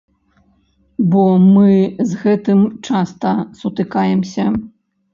Бо мы з гэтым часта сутыкаемся.